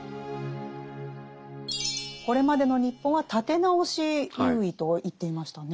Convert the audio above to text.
これまでの日本は立て直し優位と言っていましたね。